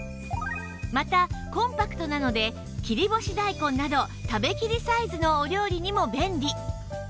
またコンパクトなので切り干し大根など食べきりサイズのお料理にも便利